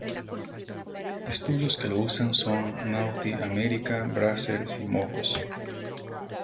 Estudios que lo usan son Naughty America, Brazzers y Mofos.